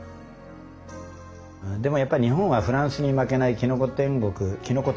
でもやっぱ日本はフランスに負けないきのこ天国きのこ